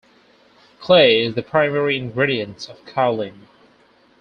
Clay is the primary ingredient of kaolin.